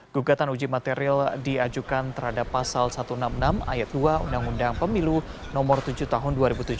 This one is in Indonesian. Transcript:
gugatan uji material diajukan terhadap pasal satu ratus enam puluh enam ayat dua undang undang pemilu nomor tujuh tahun dua ribu tujuh belas